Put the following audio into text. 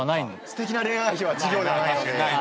すてきな恋愛費は事業ではないので。